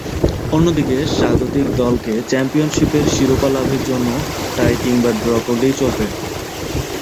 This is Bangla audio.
অন্যদিকে স্বাগতিক দলকে চ্যাম্পিয়নশীপের শিরোপা লাভের জন্যে টাই কিংবা ড্র করলেই চলবে।